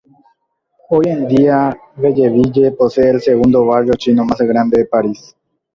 Hoy en día, Belleville posee el segundo barrio chino más grande de París.